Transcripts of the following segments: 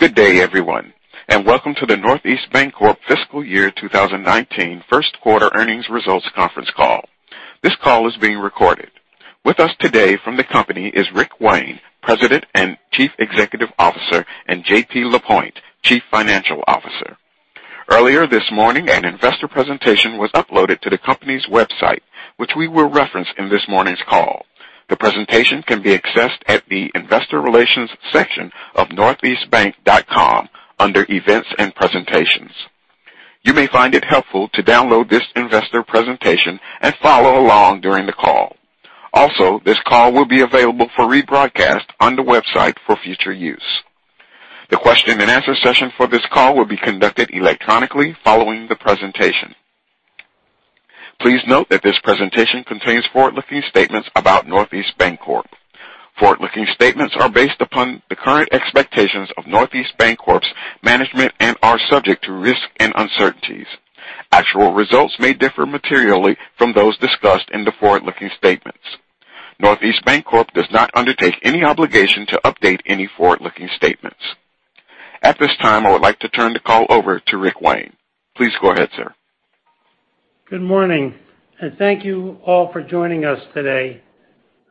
Good day, everyone, welcome to the Northeast Bancorp fiscal year 2019 first quarter earnings results conference call. This call is being recorded. With us today from the company is Richard Wayne, President and Chief Executive Officer, and Jean-Pierre Lapointe, Chief Financial Officer. Earlier this morning, an investor presentation was uploaded to the company's website, which we will reference in this morning's call. The presentation can be accessed at the investor relations section of northeastbank.com under events and presentations. You may find it helpful to download this investor presentation and follow along during the call. Also, this call will be available for rebroadcast on the website for future use. The question and answer session for this call will be conducted electronically following the presentation. Please note that this presentation contains forward-looking statements about Northeast Bancorp. Forward-looking statements are based upon the current expectations of Northeast Bancorp's management and are subject to risk and uncertainties. Actual results may differ materially from those discussed in the forward-looking statements. Northeast Bancorp does not undertake any obligation to update any forward-looking statements. At this time, I would like to turn the call over to Rick Wayne. Please go ahead, sir. Good morning, thank you all for joining us today.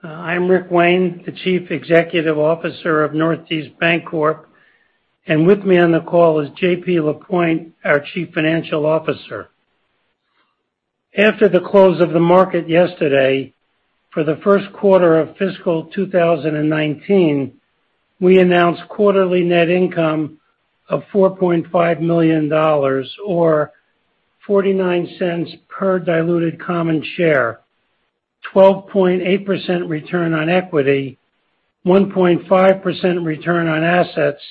I'm Rick Wayne, the Chief Executive Officer of Northeast Bancorp, and with me on the call is JP Lapointe, our Chief Financial Officer. After the close of the market yesterday, for the first quarter of fiscal 2019, we announced quarterly net income of $4.5 million, or $0.49 per diluted common share, 12.8% return on equity, 1.5% return on assets,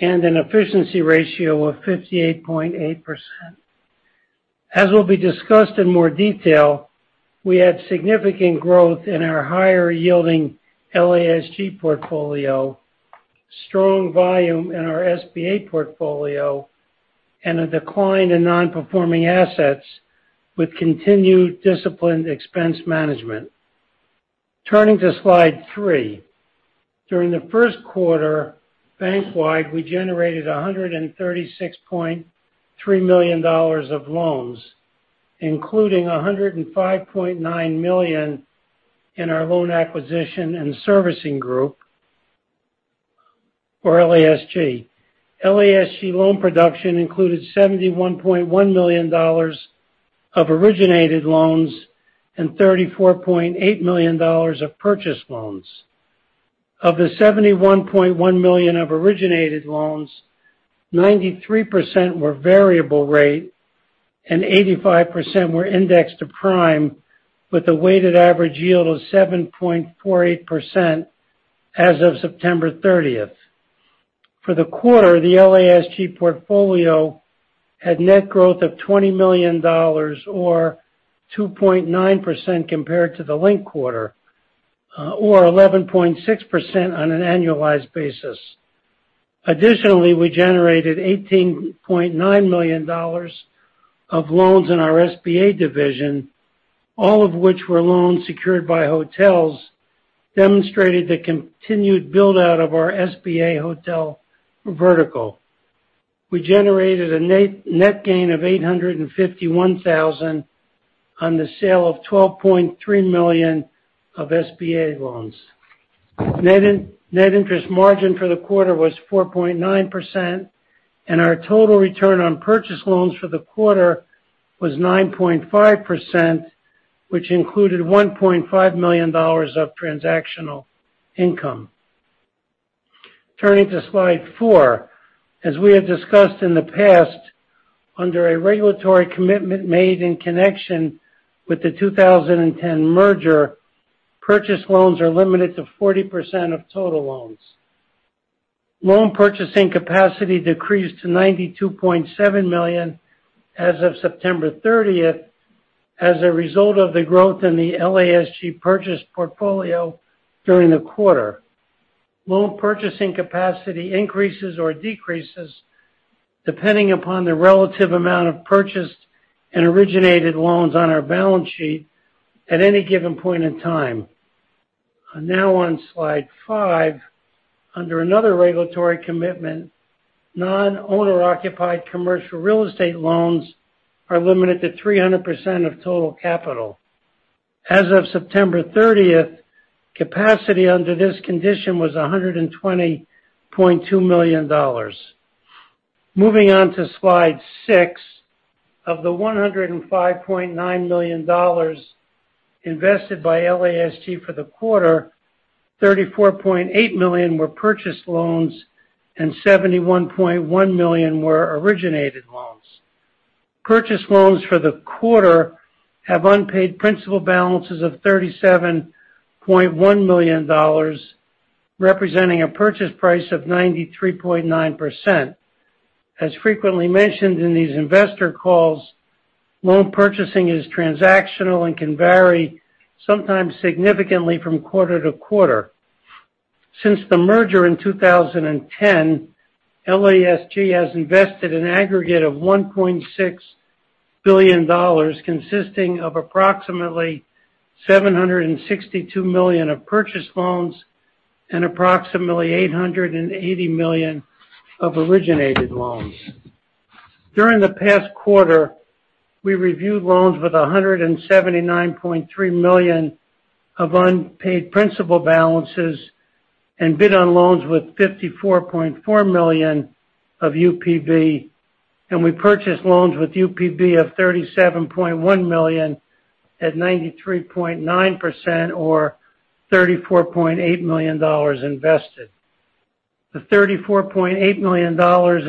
and an efficiency ratio of 58.8%. As will be discussed in more detail, we had significant growth in our higher-yielding LASG portfolio, strong volume in our SBA portfolio, and a decline in non-performing assets with continued disciplined expense management. Turning to slide three. During the first quarter bank-wide, we generated $136.3 million of loans, including $105.9 million in our loan acquisition and servicing group, or LASG. LASG loan production included $71.1 million of originated loans and $34.8 million of purchased loans. Of the $71.1 million of originated loans, 93% were variable rate and 85% were indexed to Prime with a weighted average yield of 7.48% as of September 30th. For the quarter, the LASG portfolio had net growth of $20 million or 2.9% compared to the linked quarter, or 11.6% on an annualized basis. Additionally, we generated $18.9 million of loans in our SBA division, all of which were loans secured by hotels, demonstrating the continued build-out of our SBA hotel vertical. We generated a net gain of $851,000 on the sale of $12.3 million of SBA loans. Net interest margin for the quarter was 4.9%, and our total return on purchase loans for the quarter was 9.5%, which included $1.5 million of transactional income. Turning to slide four. As we have discussed in the past, under a regulatory commitment made in connection with the 2010 merger, purchase loans are limited to 40% of total loans. Loan purchasing capacity decreased to $92.7 million as of September 30th as a result of the growth in the LASG purchase portfolio during the quarter. Loan purchasing capacity increases or decreases depending upon the relative amount of purchased and originated loans on our balance sheet at any given point in time. Now on slide five. Under another regulatory commitment, non-owner-occupied commercial real estate loans are limited to 300% of total capital. As of September 30th, capacity under this condition was $120.2 million. Moving on to slide six. Of the $105.9 million invested by LASG for the quarter, $34.8 million were purchased loans and $71.1 million were originated loans. Purchased loans for the quarter have unpaid principal balances of $37.1 million, representing a purchase price of 93.9%. As frequently mentioned in these investor calls, loan purchasing is transactional and can vary, sometimes significantly, from quarter to quarter. Since the merger in 2010, LASG has invested an aggregate of $1.6 billion consisting of approximately $762 million of purchase loans and approximately $880 million of originated loans. During the past quarter, we reviewed loans with $179.3 million of unpaid principal balances and bid on loans with $54.4 million of UPB, and we purchased loans with UPB of $37.1 million at 93.9% or $34.8 million invested. The $34.8 million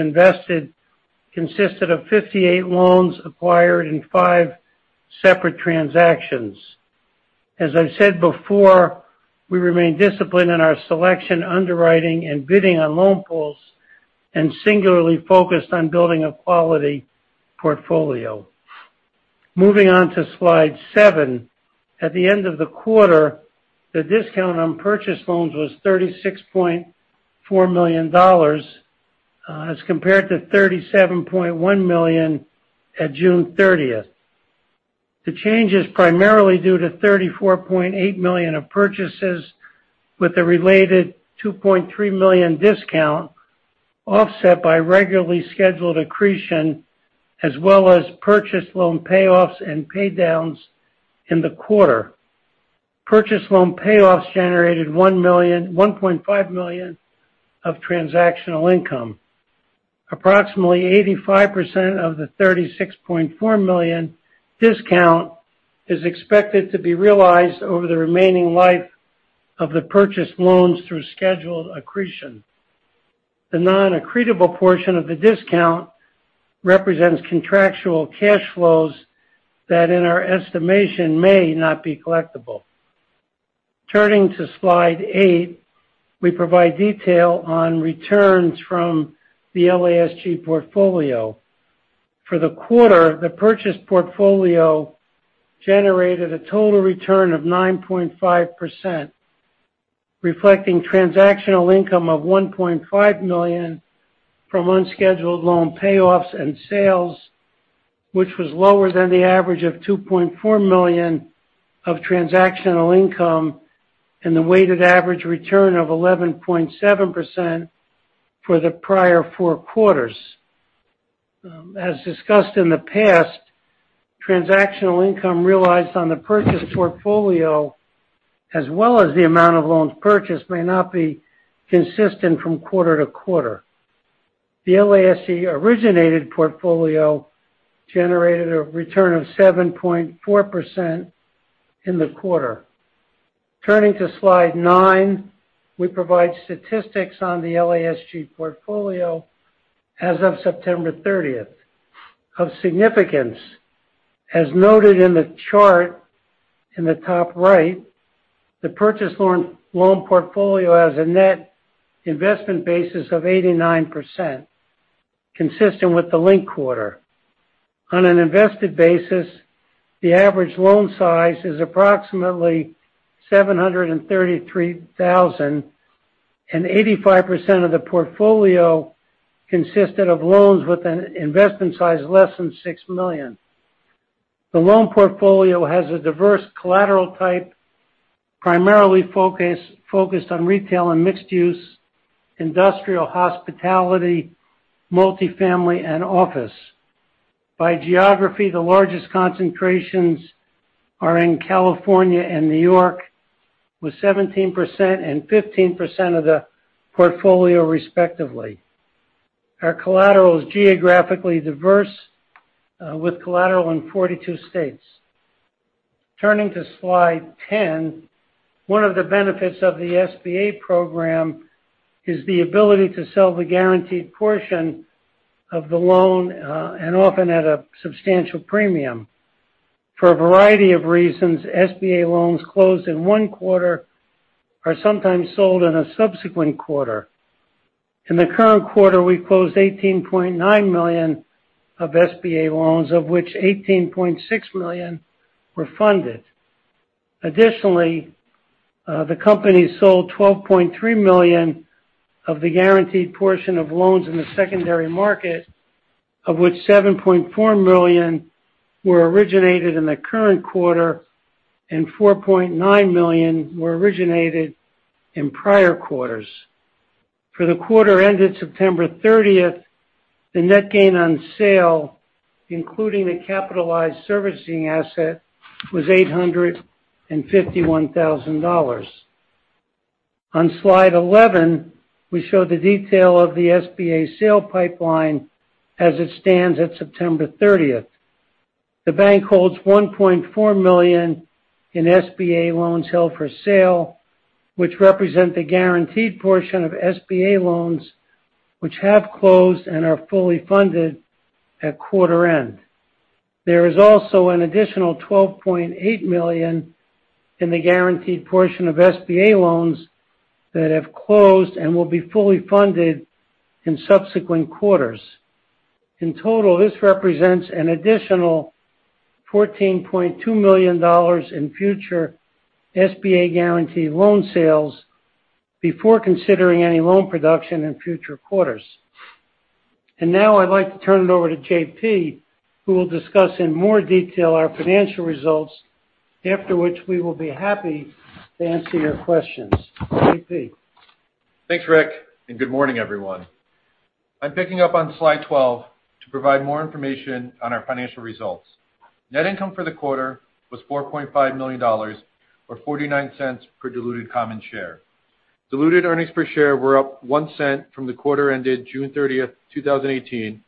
invested consisted of 58 loans acquired in five separate transactions. As I've said before, we remain disciplined in our selection, underwriting, and bidding on loan pools and singularly focused on building a quality portfolio. Moving on to slide seven. At the end of the quarter, the discount on purchase loans was $36.4 million as compared to $37.1 million at June 30th. The change is primarily due to $34.8 million of purchases with a related $2.3 million discount, offset by regularly scheduled accretion as well as purchase loan payoffs and paydowns in the quarter. Purchase loan payoffs generated $1.5 million of transactional income. Approximately 85% of the $36.4 million discount is expected to be realized over the remaining life of the purchase loans through scheduled accretion. The non-accretable portion of the discount represents contractual cash flows that, in our estimation, may not be collectible. Turning to slide eight, we provide detail on returns from the LASG portfolio. For the quarter, the purchase portfolio generated a total return of 9.5%, reflecting transactional income of $1.5 million from unscheduled loan payoffs and sales, which was lower than the average of $2.4 million of transactional income and the weighted average return of 11.7% for the prior four quarters. As discussed in the past, transactional income realized on the purchase portfolio, as well as the amount of loans purchased, may not be consistent from quarter to quarter. The LASG originated portfolio generated a return of 7.4% in the quarter. Turning to slide nine, we provide statistics on the LASG portfolio as of September 30th. Of significance, as noted in the chart in the top right, the purchase loan portfolio has a net investment basis of 89%, consistent with the linked quarter. On an invested basis, the average loan size is approximately $733,000, and 85% of the portfolio consisted of loans with an investment size less than $6 million. The loan portfolio has a diverse collateral type, primarily focused on retail and mixed use, industrial hospitality, multifamily, and office. By geography, the largest concentrations are in California and New York, with 17% and 15% of the portfolio respectively. Our collateral is geographically diverse, with collateral in 42 states. Turning to slide 10, one of the benefits of the SBA program is the ability to sell the guaranteed portion of the loan and often at a substantial premium. For a variety of reasons, SBA loans closed in one quarter are sometimes sold in a subsequent quarter. In the current quarter, we closed $18.9 million of SBA loans, of which $18.6 million were funded. The company sold $12.3 million of the guaranteed portion of loans in the secondary market, of which $7.4 million were originated in the current quarter and $4.9 million were originated in prior quarters. For the quarter ended September 30th, the net gain on sale, including the capitalized servicing asset, was $851,000. On slide 11, we show the detail of the SBA sale pipeline as it stands at September 30th. The bank holds $1.4 million in SBA loans held for sale, which represent the guaranteed portion of SBA loans which have closed and are fully funded at quarter end. There is also an additional $12.8 million in the guaranteed portion of SBA loans that have closed and will be fully funded in subsequent quarters. In total, this represents an additional $14.2 million in future SBA guaranteed loan sales before considering any loan production in future quarters. Now I'd like to turn it over to JP, who will discuss in more detail our financial results. After which, we will be happy to answer your questions. J.P. Thanks, Rick, good morning, everyone. I'm picking up on slide 12 to provide more information on our financial results. Net income for the quarter was $4.5 million, or $0.49 per diluted common share. Diluted earnings per share were up $0.01 from the quarter ended June 30th, 2018,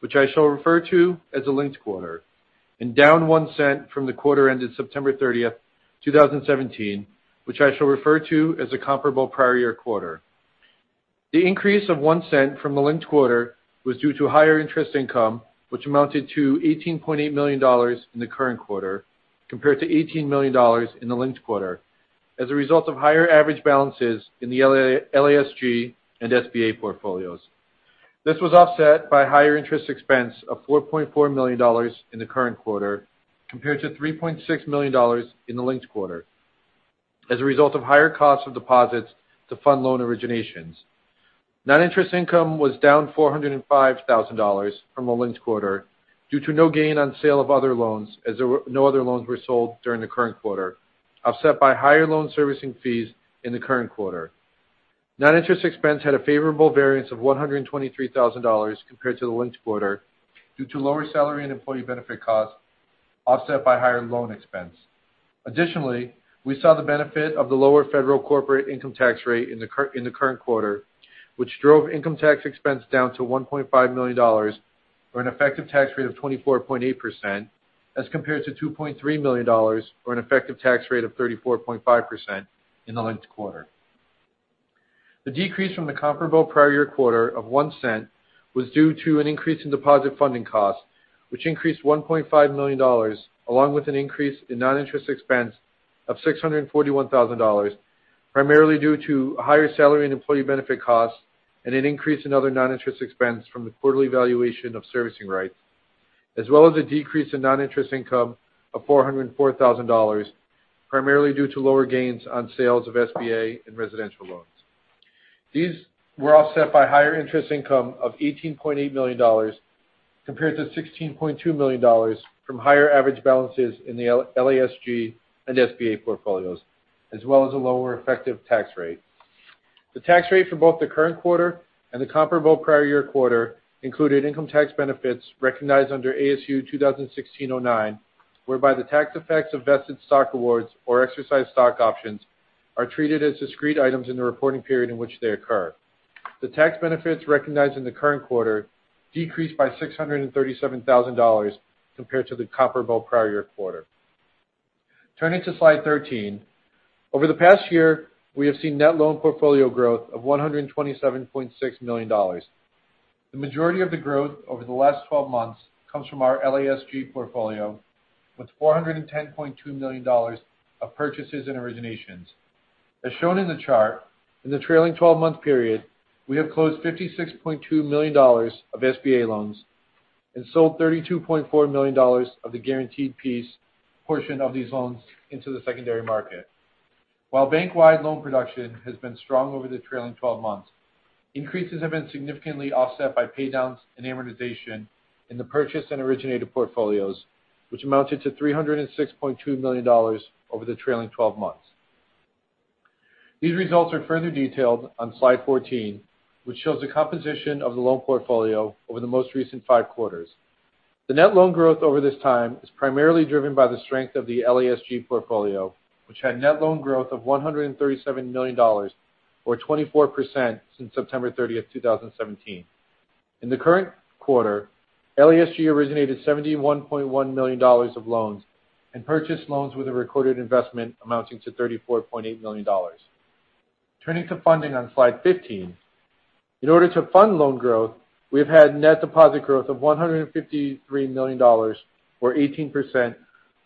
which I shall refer to as the linked quarter. Down $0.01 from the quarter ended September 30th, 2017, which I shall refer to as the comparable prior year quarter. The increase of $0.01 from the linked quarter was due to higher interest income, which amounted to $18.8 million in the current quarter, compared to $18 million in the linked quarter, as a result of higher average balances in the LASG and SBA portfolios. This was offset by higher interest expense of $4.4 million in the current quarter, compared to $3.6 million in the linked quarter, as a result of higher costs of deposits to fund loan originations. Net interest income was down $405,000 from the linked quarter due to no gain on sale of other loans as no other loans were sold during the current quarter, offset by higher loan servicing fees in the current quarter. Non-interest expense had a favorable variance of $123,000 compared to the linked quarter due to lower salary and employee benefit costs offset by higher loan expense. Additionally, we saw the benefit of the lower Federal corporate income tax rate in the current quarter, which drove income tax expense down to $1.5 million, or an effective tax rate of 24.8%, as compared to $2.3 million, or an effective tax rate of 34.5% in the linked quarter. The decrease from the comparable prior year quarter of $0.01 was due to an increase in deposit funding costs, which increased $1.5 million, along with an increase in net interest expense of $641,000, primarily due to higher salary and employee benefit costs, and an increase in other non-interest expense from the quarterly valuation of servicing rights, as well as a decrease in non-interest income of $404,000, primarily due to lower gains on sales of SBA and residential loans. These were offset by higher interest income of $18.8 million, compared to $16.2 million from higher average balances in the LASG and SBA portfolios, as well as a lower effective tax rate. The tax rate for both the current quarter and the comparable prior year quarter included income tax benefits recognized under ASU 2016-09, whereby the tax effects of vested stock awards or exercised stock options are treated as discrete items in the reporting period in which they occur. The tax benefits recognized in the current quarter decreased by $637,000 compared to the comparable prior year quarter. Turning to slide 13. Over the past year, we have seen net loan portfolio growth of $127.6 million. The majority of the growth over the last 12 months comes from our LASG portfolio, with $410.2 million of purchases and originations. As shown in the chart, in the trailing 12-month period, we have closed $56.2 million of SBA loans and sold $32.4 million of the guaranteed piece portion of these loans into the secondary market. While bank-wide loan production has been strong over the trailing 12 months, increases have been significantly offset by paydowns and amortization in the purchase and originated portfolios, which amounted to $306.2 million over the trailing 12 months. These results are further detailed on slide 14, which shows the composition of the loan portfolio over the most recent five quarters. The net loan growth over this time is primarily driven by the strength of the LASG portfolio, which had net loan growth of $137 million, or 24%, since September 30th, 2017. In the current quarter, LASG originated $71.1 million of loans and purchased loans with a recorded investment amounting to $34.8 million. Turning to funding on slide 15. In order to fund loan growth, we have had net deposit growth of $153 million, or 18%,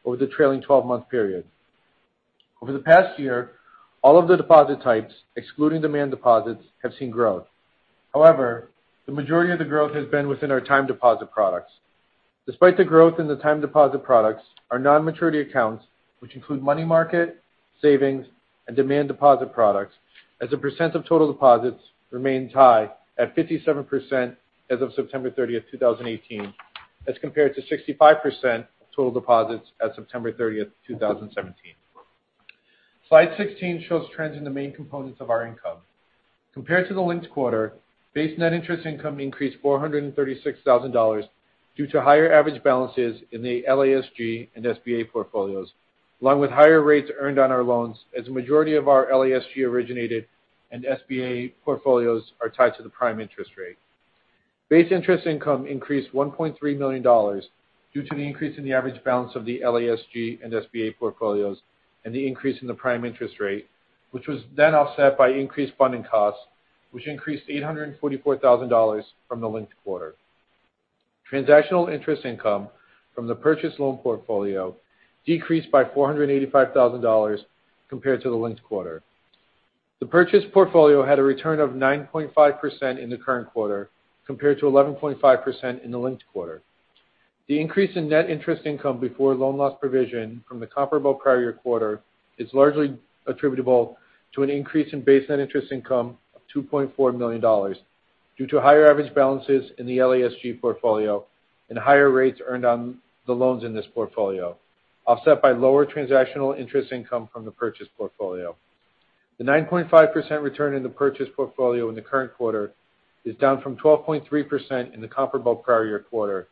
over the trailing 12-month period. Over the past year, all of the deposit types, excluding demand deposits, have seen growth. However, the majority of the growth has been within our time deposit products. Despite the growth in the time deposit products, our non-maturity accounts, which include money market, savings, and demand deposit products, as a percent of total deposits, remains high at 57% as of September 30th, 2018, as compared to 65% of total deposits as of September 30th, 2017. Slide 16 shows trends in the main components of our income. Compared to the linked quarter, base net interest income increased $436,000 due to higher average balances in the LASG and SBA portfolios, along with higher rates earned on our loans as a majority of our LASG-originated and SBA portfolios are tied to the Prime interest rate. Base interest income increased $1.3 million due to the increase in the average balance of the LASG and SBA portfolios and the increase in the Prime interest rate, which was offset by increased funding costs, which increased $844,000 from the linked quarter. Transactional interest income from the purchased loan portfolio decreased by $485,000 compared to the linked quarter. The purchase portfolio had a return of 9.5% in the current quarter, compared to 11.5% in the linked quarter. The increase in net interest income before loan loss provision from the comparable prior year quarter is largely attributable to an increase in base net interest income of $2.4 million due to higher average balances in the LASG portfolio and higher rates earned on the loans in this portfolio, offset by lower transactional interest income from the purchase portfolio. The 9.5% return in the purchase portfolio in the current quarter is down from 12.3% in the comparable prior year quarter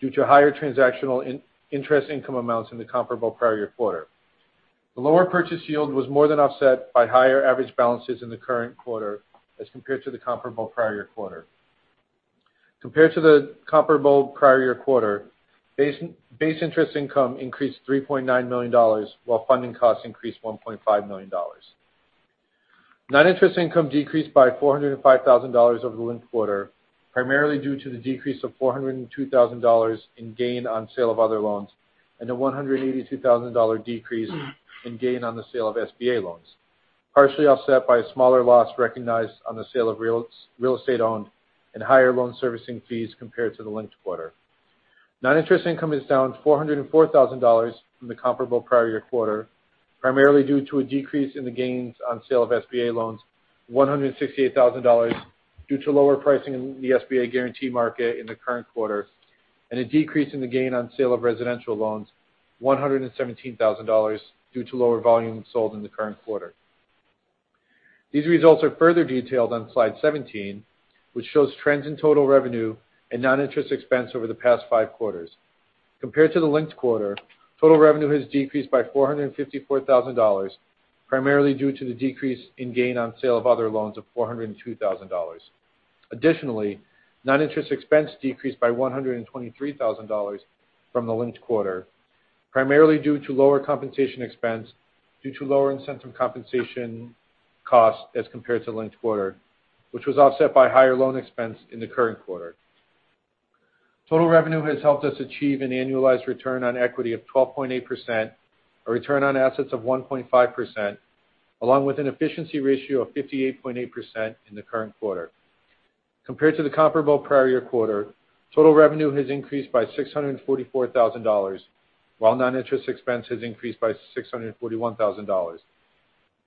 due to higher transactional interest income amounts in the comparable prior year quarter. The lower purchase yield was more than offset by higher average balances in the current quarter as compared to the comparable prior year quarter. Compared to the comparable prior year quarter, base interest income increased $3.9 million, while funding costs increased $1.5 million. Non-interest income decreased by $405,000 over the linked quarter, primarily due to the decrease of $402,000 in gain on sale of other loans and a $182,000 decrease in gain on the sale of SBA loans, partially offset by a smaller loss recognized on the sale of real estate owned and higher loan servicing fees compared to the linked quarter. Non-interest income is down $404,000 from the comparable prior year quarter, primarily due to a decrease in the gains on sale of SBA loans, $168,000 due to lower pricing in the SBA guarantee market in the current quarter, and a decrease in the gain on sale of residential loans, $117,000 due to lower volume sold in the current quarter. These results are further detailed on slide 17, which shows trends in total revenue and non-interest expense over the past five quarters. Compared to the linked quarter, total revenue has decreased by $454,000, primarily due to the decrease in gain on sale of other loans of $402,000. Non-interest expense decreased by $123,000 from the linked quarter, primarily due to lower compensation expense due to lower incentive compensation cost as compared to the linked quarter, which was offset by higher loan expense in the current quarter. Total revenue has helped us achieve an annualized return on equity of 12.8%, a return on assets of 1.5%, along with an efficiency ratio of 58.8% in the current quarter. Compared to the comparable prior year quarter, total revenue has increased by $644,000, while non-interest expense has increased by $641,000.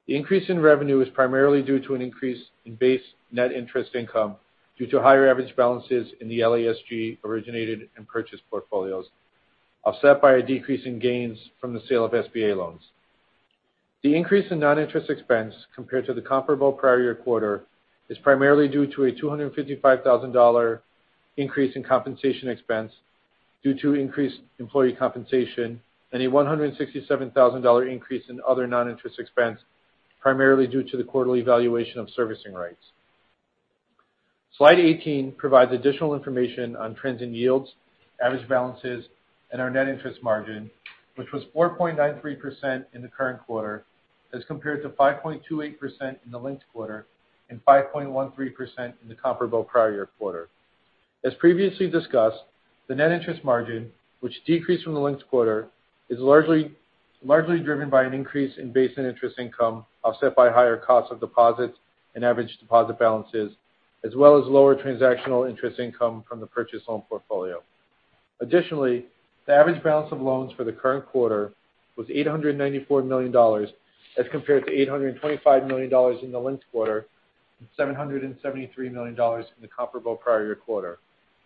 The increase in revenue is primarily due to an increase in base net interest income due to higher average balances in the LASG originated and purchase portfolios, offset by a decrease in gains from the sale of SBA loans. The increase in non-interest expense compared to the comparable prior year quarter is primarily due to a $255,000 increase in compensation expense due to increased employee compensation and a $167,000 increase in other non-interest expense, primarily due to the quarterly evaluation of servicing rights. Slide 18 provides additional information on trends in yields, average balances, and our net interest margin, which was 4.93% in the current quarter as compared to 5.28% in the linked quarter and 5.13% in the comparable prior year quarter. As previously discussed, the net interest margin, which decreased from the linked quarter, is largely driven by an increase in base net interest income, offset by higher cost of deposits and average deposit balances, as well as lower transactional interest income from the purchase loan portfolio. Additionally, the average balance of loans for the current quarter was $894 million, as compared to $825 million in the linked quarter and $773 million in the comparable prior year quarter,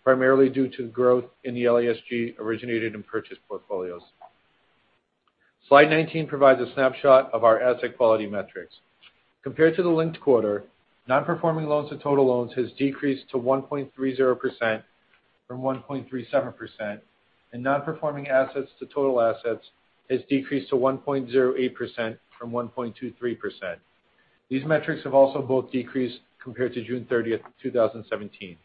primarily due to growth in the LASG originated and purchase portfolios. Slide 19 provides a snapshot of our asset quality metrics. Compared to the linked quarter, non-performing loans to total loans has decreased to 1.30% from 1.37%, and non-performing assets to total assets has decreased to 1.08% from 1.23%. These metrics have also both decreased compared to June 30th, 2017.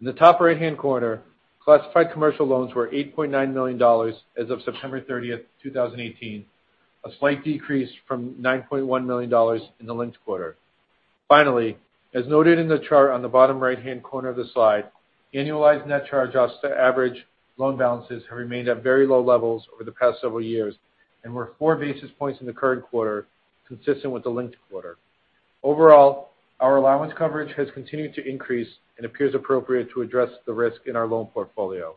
In the top right-hand corner, classified commercial loans were $8.9 million as of September 30th, 2018, a slight decrease from $9.1 million in the linked quarter. Finally, as noted in the chart on the bottom right-hand corner of the slide, annualized net charge-offs to average loan balances have remained at very low levels over the past several years and were four basis points in the current quarter, consistent with the linked quarter. Overall, our allowance coverage has continued to increase and appears appropriate to address the risk in our loan portfolio.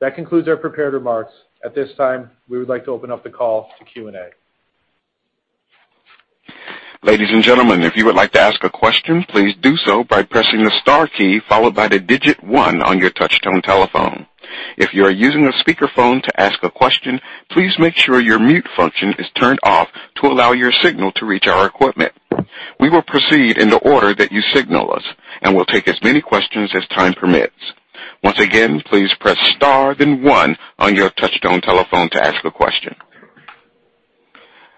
That concludes our prepared remarks. At this time, we would like to open up the call to Q&A. Ladies and gentlemen, if you would like to ask a question, please do so by pressing the star key followed by the digit one on your touchtone telephone. If you are using a speakerphone to ask a question, please make sure your mute function is turned off to allow your signal to reach our equipment. We will proceed in the order that you signal us and we'll take as many questions as time permits. Once again, please press star then one on your touchtone telephone to ask a question.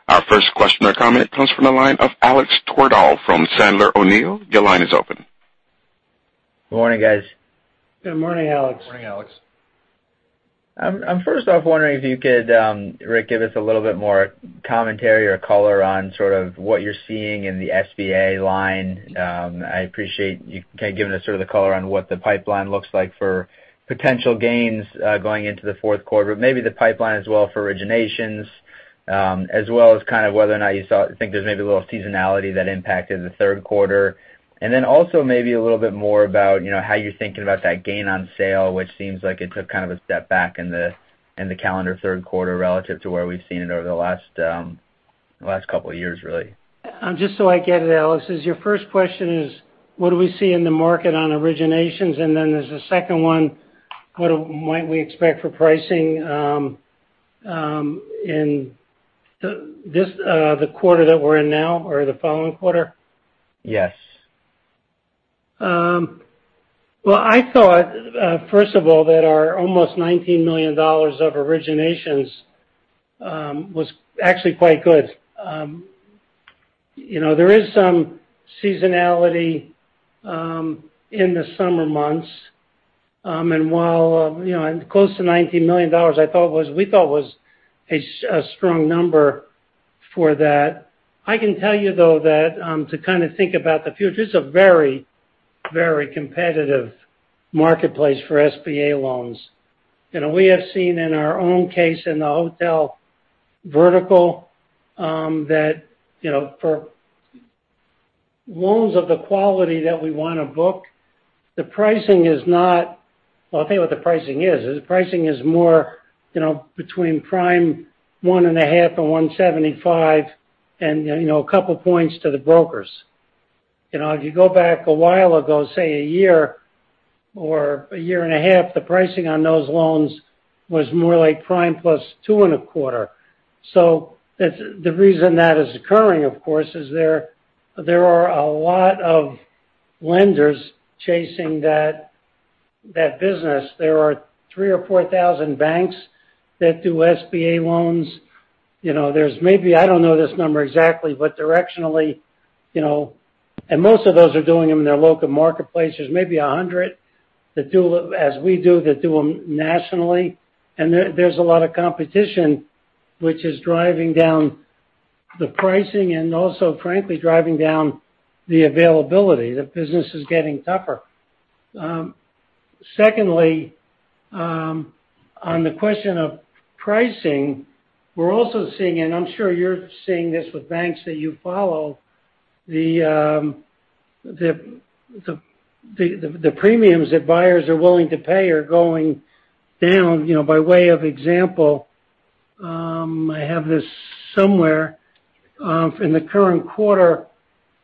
Our first question or comment comes from the line of Alex Twerdahl from Sandler O'Neill. Your line is open. Good morning, guys. Good morning, Alex. Morning, Alex. I'm first off wondering if you could, Rick, give us a little bit more commentary or color on what you're seeing in the SBA line. I appreciate you kind of giving us sort of the color on what the pipeline looks like for potential gains going into the fourth quarter, but maybe the pipeline as well for originations. As well as kind of whether or not you think there's maybe a little seasonality that impacted the third quarter. Also maybe a little bit more about how you're thinking about that gain on sale, which seems like it took kind of a step back in the calendar third quarter relative to where we've seen it over the last couple of years, really. Just so I get it, Alex Twerdahl, is your first question is, what do we see in the market on originations? Then there's a second one, what might we expect for pricing in the quarter that we're in now or the following quarter? Yes. Well, I thought, first of all, that our almost $19 million of originations was actually quite good. There is some seasonality in the summer months. While close to $19 million, we thought it was a strong number for that. I can tell you, though, that to kind of think about the future, it's a very competitive marketplace for SBA loans. We have seen in our own case in the hotel vertical that for loans of the quality that we want to book, the pricing is not Well, I'll tell you what the pricing is. The pricing is more between Prime one and a half and 175, and a couple points to the brokers. If you go back a while ago, say, a year or a year and a half, the pricing on those loans was more like Prime plus two and a quarter. The reason that is occurring, of course, is there are a lot of lenders chasing that business. There are 3,000 or 4,000 banks that do SBA loans. There's maybe, I don't know this number exactly, but directionally, most of those are doing them in their local marketplaces, maybe 100 that do as we do, that do them nationally. There's a lot of competition which is driving down the pricing and also, frankly, driving down the availability. The business is getting tougher. Secondly, on the question of pricing, we're also seeing, and I'm sure you're seeing this with banks that you follow, the premiums that buyers are willing to pay are going down. By way of example, I have this somewhere. In the current quarter,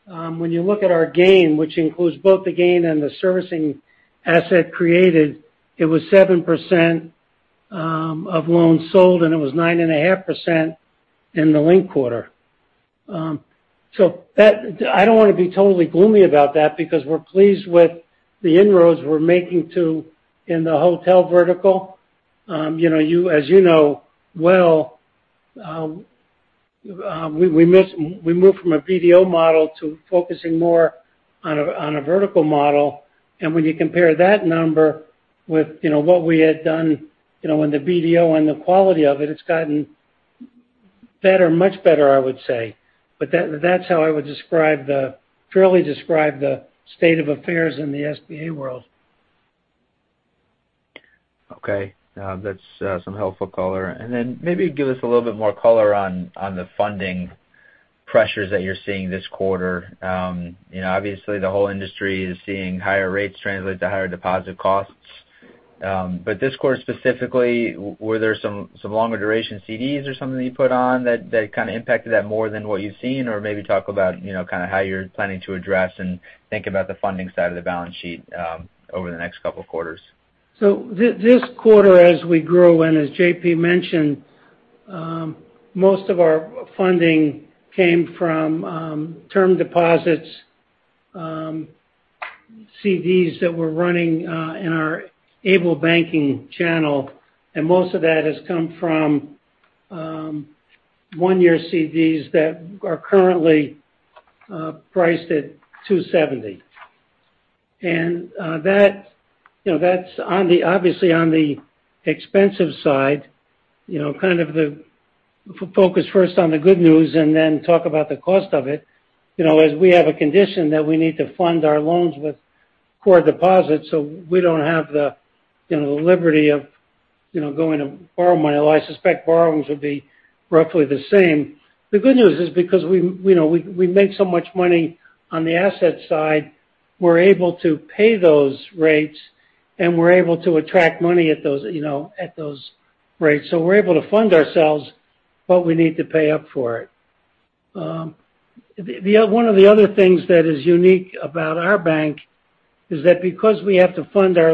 when you look at our gain, which includes both the gain and the servicing asset created, it was 7% of loans sold, and it was 9.5% in the linked quarter. I don't want to be totally gloomy about that because we're pleased with the inroads we're making, too, in the hotel vertical. As you know well, we moved from a BDO model to focusing more on a vertical model. When you compare that number with what we had done in the BDO and the quality of it's gotten better, much better, I would say. That's how I would fairly describe the state of affairs in the SBA world. Okay. That's some helpful color. Maybe give us a little bit more color on the funding pressures that you are seeing this quarter. Obviously, the whole industry is seeing higher rates translate to higher deposit costs. This quarter specifically, were there some longer duration CDs or something that you put on that kind of impacted that more than what you have seen? Maybe talk about kind of how you are planning to address and think about the funding side of the balance sheet over the next couple of quarters. This quarter, as we grew, and as J.P. mentioned, most of our funding came from term deposits, CDs that we are running in our ableBanking channel, and most of that has come from one-year CDs that are currently priced at 270. That's obviously on the expensive side, kind of the focus first on the good news and then talk about the cost of it. We have a condition that we need to fund our loans with core deposits, so we do not have the liberty of going to borrow money, although I suspect borrowings would be roughly the same. The good news is because we make so much money on the asset side, we are able to pay those rates, and we are able to attract money at those rates. We are able to fund ourselves, but we need to pay up for it. One of the other things that is unique about our bank is that because we have to fund our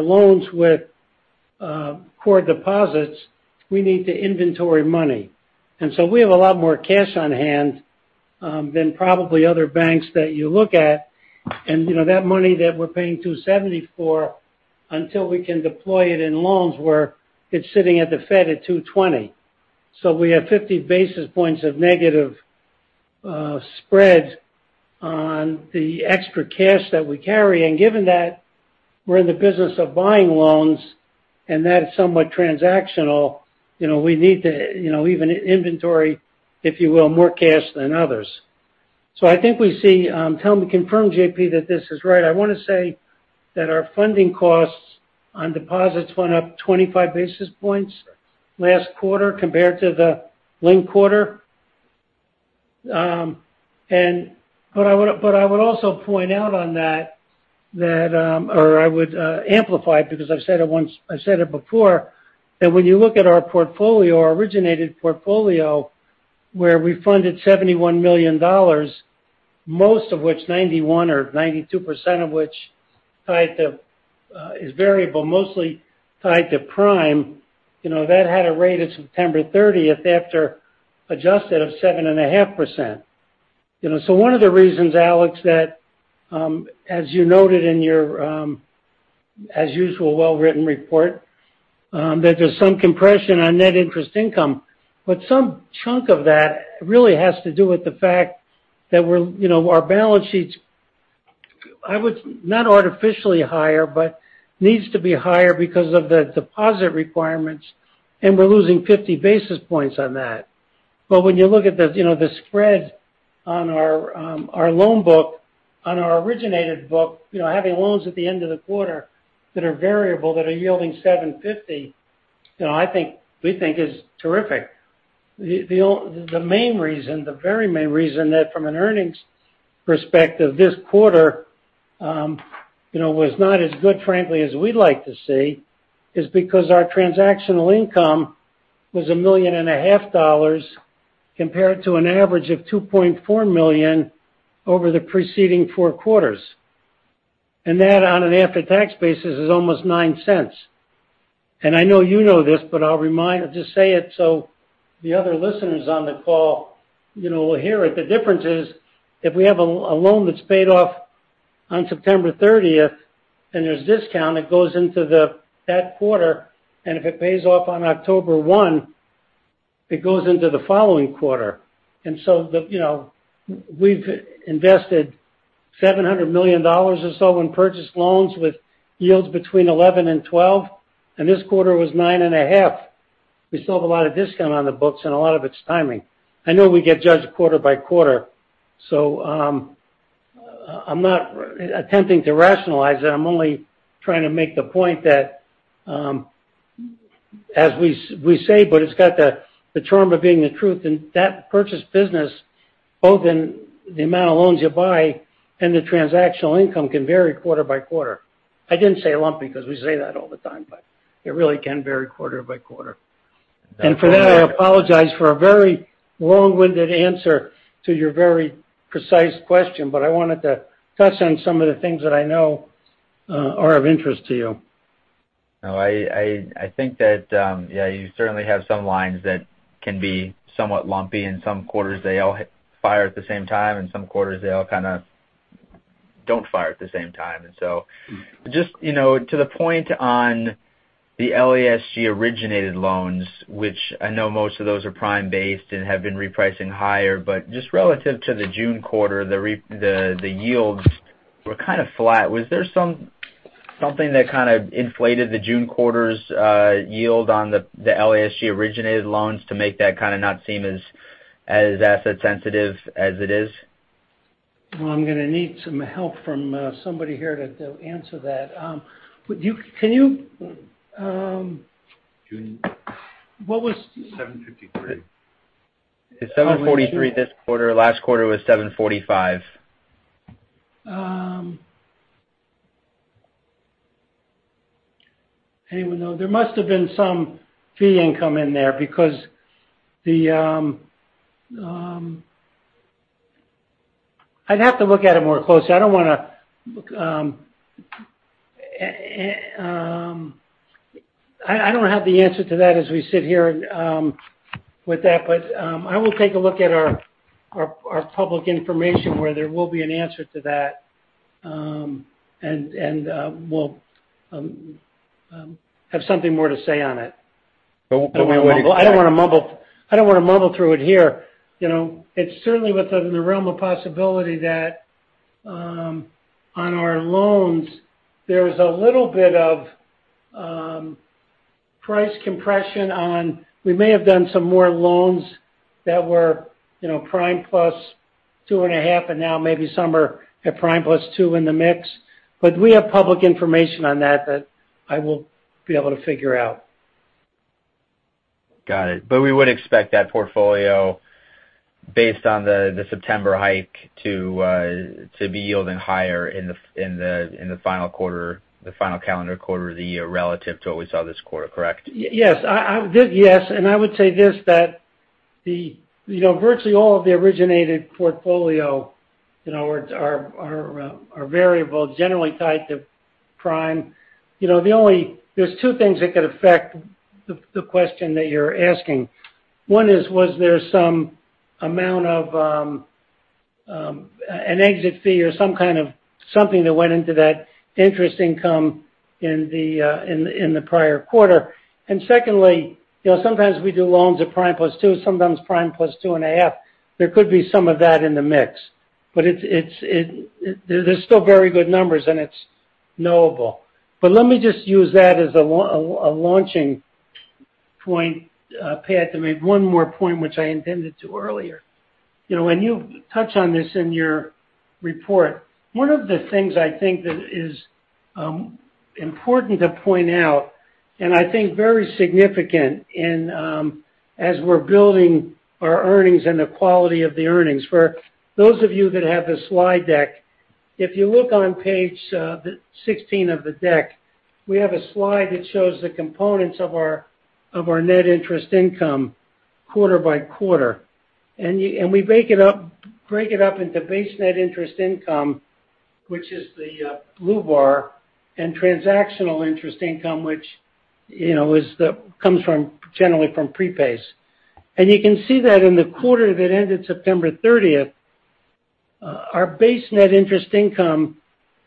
loans with core deposits, we need to inventory money. We have a lot more cash on hand than probably other banks that you look at. That money that we are paying 270 for until we can deploy it in loans where it's sitting at the Fed at 220. We have 50 basis points of negative spread on the extra cash that we carry. Given that we are in the business of buying loans and that is somewhat transactional, we need to even inventory, if you will, more cash than others. I think we see, tell me, confirm, J.P., that this is right. I want to say that our funding costs on deposits went up 25 basis points last quarter compared to the linked quarter. I would also point out on that, or I would amplify it, because I have said it before, that when you look at our portfolio, our originated portfolio, where we funded $71 million, most of which, 91% or 92% of which is variable, mostly tied to Prime. That had a rate of September 30th after adjusted of 7.5%. One of the reasons, Alex, that as you noted in your, as usual, well-written report, that there's some compression on net interest income. Some chunk of that really has to do with the fact that our balance sheets, not artificially higher, but needs to be higher because of the deposit requirements, and we are losing 50 basis points on that. When you look at the spread on our loan book, on our originated book, having loans at the end of the quarter that are variable, that are yielding 7.50%, we think is terrific. The very main reason that from an earnings perspective this quarter was not as good, frankly, as we'd like to see, is because our transactional income was $1.5 million compared to an average of $2.4 million over the preceding four quarters. That on an after-tax basis is almost $0.09. I know you know this, but I'll just say it so the other listeners on the call will hear it. The difference is, if we have a loan that's paid off on September 30th and there's discount, it goes into that quarter, and if it pays off on October one, it goes into the following quarter. We've invested $700 million or so in purchase loans with yields between 11% and 12%, and this quarter was 9.5%. We still have a lot of discount on the books, and a lot of it's timing. I know we get judged quarter by quarter. I'm not attempting to rationalize it. I'm only trying to make the point that as we say, but it's got the charm of being the truth. That purchase business, both in the amount of loans you buy and the transactional income can vary quarter by quarter. I didn't say lumpy because we say that all the time, but it really can vary quarter by quarter. For that, I apologize for a very long-winded answer to your very precise question, but I wanted to touch on some of the things that I know are of interest to you. No, I think that, yeah, you certainly have some lines that can be somewhat lumpy. In some quarters, they all fire at the same time, and some quarters, they all kind of don't fire at the same time. Just to the point on the LASG-originated loans, which I know most of those are Prime based and have been repricing higher, but just relative to the June quarter, the yields were kind of flat. Was there something that kind of inflated the June quarter's yield on the LASG-originated loans to make that kind of not seem as asset sensitive as it is? Well, I'm going to need some help from somebody here to answer that. Can you JP. What was 753? It's 743 this quarter. Last quarter was 745. Anyone know? There must have been some fee income in there because I'd have to look at it more closely. I don't have the answer to that as we sit here with that. I will take a look at our public information where there will be an answer to that. We'll have something more to say on it. We would expect I don't want to mumble through it here. It's certainly within the realm of possibility that on our loans, there's a little bit of price compression. We may have done some more loans that were Prime plus two and a half, and now maybe some are at Prime plus two in the mix. We have public information on that that I will be able to figure out. Got it. We would expect that portfolio based on the September hike to be yielding higher in the final calendar quarter of the year relative to what we saw this quarter, correct? Yes. I would say this, that virtually all of the originated portfolio are variable, generally tied to Prime. There's two things that could affect the question that you're asking. One is, was there some amount of an exit fee or some kind of something that went into that interest income in the prior quarter. Secondly, sometimes we do loans at Prime plus two, sometimes Prime plus 2.5. There could be some of that in the mix. They're still very good numbers, and it's knowable. Let me just use that as a launching point, Pat, to make one more point, which I intended to earlier. When you touch on this in your report, one of the things I think that is important to point out, and I think very significant as we're building our earnings and the quality of the earnings. For those of you that have the slide deck, if you look on page 16 of the deck, we have a slide that shows the components of our net interest income quarter by quarter. We break it up into base net interest income, which is the blue bar, and transactional interest income, which comes generally from prepays. You can see that in the quarter that ended September 30th, our base net interest income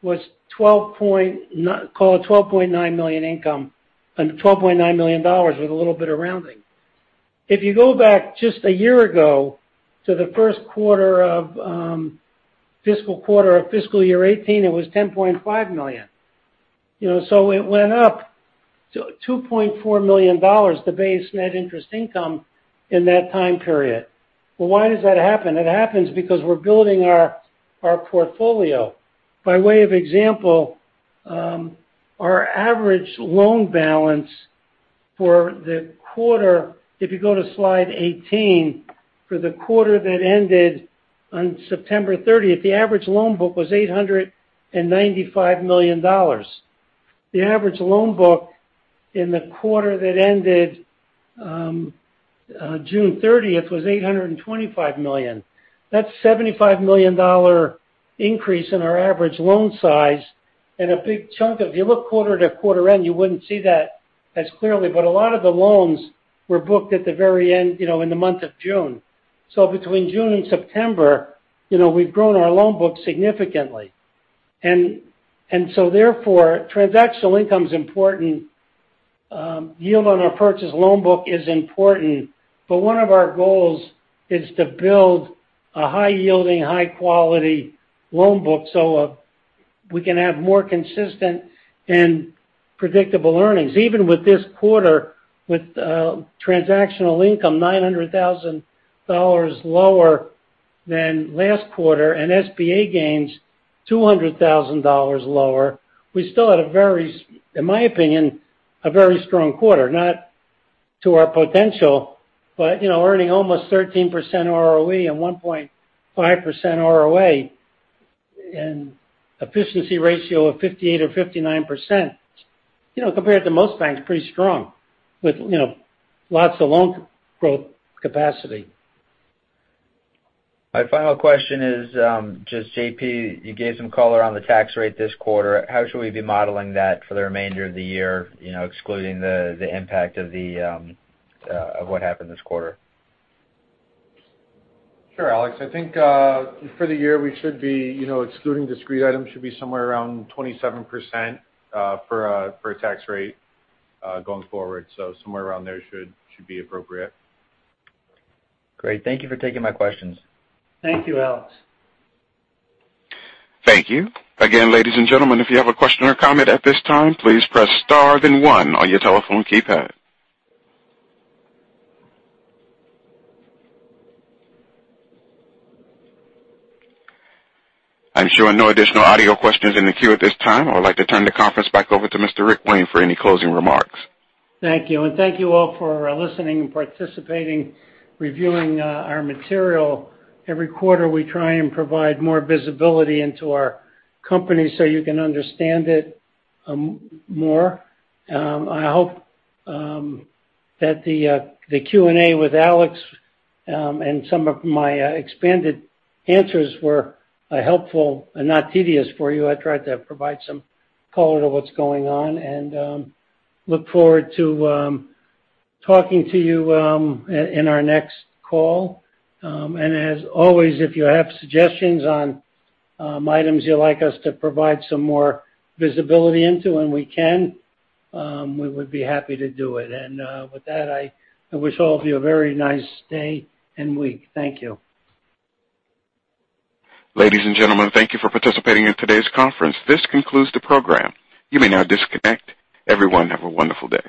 was call it $12.9 million with a little bit of rounding. If you go back just a year ago to the first fiscal quarter of fiscal year 2018, it was $10.5 million. It went up to $2.4 million, the base net interest income in that time period. Well, why does that happen? It happens because we're building our portfolio. By way of example, our average loan balance for the quarter, if you go to slide 18, for the quarter that ended on September 30th, the average loan book was $895 million. The average loan book in the quarter that ended June 30th was $825 million. That's a $75 million increase in our average loan size. If you look quarter to quarter end, you wouldn't see that as clearly, but a lot of the loans were booked at the very end in the month of June. Between June and September, we've grown our loan book significantly. Therefore, transactional income is important. Yield on our purchase loan book is important. One of our goals is to build a high-yielding, high-quality loan book so we can have more consistent and predictable earnings. Even with this quarter, with transactional income $900,000 lower than last quarter and SBA gains $200,000 lower, we still had, in my opinion, a very strong quarter. Not to our potential, but earning almost 13% ROE and 1.5% ROA and efficiency ratio of 58% or 59%, compared to most banks, pretty strong with lots of loan growth capacity. My final question is just, JP, you gave some color on the tax rate this quarter. How should we be modeling that for the remainder of the year, excluding the impact of what happened this quarter? Sure, Alex. I think for the year, excluding discrete items, should be somewhere around 27% for a tax rate going forward. Somewhere around there should be appropriate. Great. Thank you for taking my questions. Thank you, Alex. Thank you. Ladies and gentlemen, if you have a question or comment at this time, please press star then one on your telephone keypad. I'm showing no additional audio questions in the queue at this time. I would like to turn the conference back over to Mr. Richard Wayne for any closing remarks. Thank you. Thank you all for listening and participating, reviewing our material. Every quarter, we try and provide more visibility into our company so you can understand it more. I hope that the Q&A with Alex and some of my expanded answers were helpful and not tedious for you. I tried to provide some color to what's going on, and look forward to talking to you in our next call. As always, if you have suggestions on items you'd like us to provide some more visibility into, and we can, we would be happy to do it. With that, I wish all of you a very nice day and week. Thank you. Ladies and gentlemen, thank you for participating in today's conference. This concludes the program. You may now disconnect. Everyone, have a wonderful day.